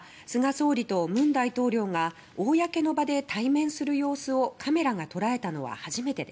総理と文大統領が公の場で対面する様子をカメラが捉えたのは初めてです。